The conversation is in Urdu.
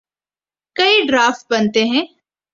کئی ڈرافٹ بنتے ہیں۔